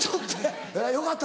よかった